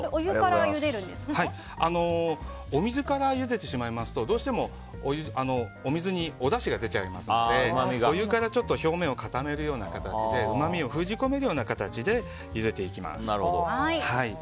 お水からゆでてしまいますとどうしてもお水におだしが出ちゃいますのでお湯からちょっと表面を固めるような形でうまみを封じ込めるような形でゆでていきます。